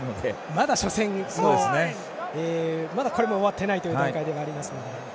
まだ初戦、それも終わってないという段階ではありますのでね。